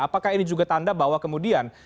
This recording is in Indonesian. apakah ini juga tanda bahwa kemudian